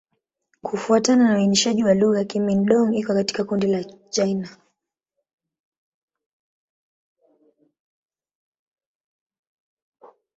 Kufuatana na uainishaji wa lugha, Kimin-Dong iko katika kundi la Kichina.